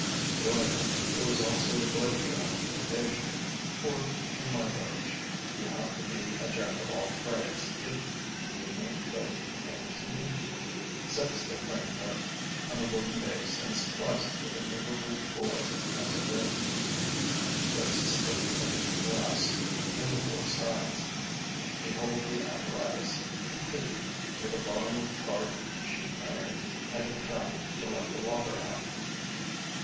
The joiner, who is also a glazier on occasion for, in my village, you have to be a Jack of all trades if you would make both ends meet sets the framework on a wooden base and supplies it with a movable board as a lid; he fixes thick panes of glass in the four sides. Behold the apparatus, complete, with a bottom of tarred sheet iron and a trap to let the water out.